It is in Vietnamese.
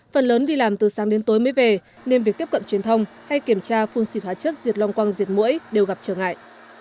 phần lớn đi làm từ sáng đến tối mới về nên việc tiếp cận truyền thông hay kiểm tra phun xịt hóa chất diệt long quăng diệt mũi đều gặp trở ngại